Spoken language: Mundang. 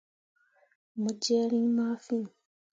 Mo jerre rĩĩ ma fîi.